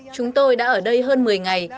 chúng tôi đã ở đây hơn một mươi ngày